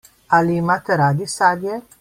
Ali imate radi sadje?